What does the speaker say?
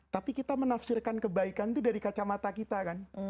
tapi kita menafsirkan kebaikan itu dari kacamata kita kan